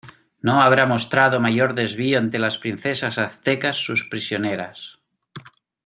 no habrá mostrado mayor desvío ante las princesas aztecas sus prisioneras